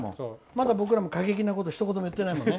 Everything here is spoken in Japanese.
まだ僕らも過激なことひと言も言ってないもんね。